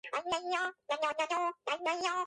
შედის სეიშელის გარე კუნძულებში.